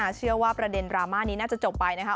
เชื่อว่าประเด็นดราม่านี้น่าจะจบไปนะครับ